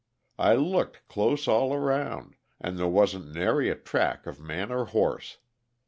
I looked close all around, and there wasn't nary a track of man or horse.